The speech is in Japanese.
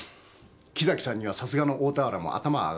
木崎さんにはさすがの大田原も頭が上がらない。